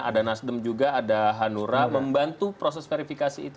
ada nasdem juga ada hanura membantu proses verifikasi itu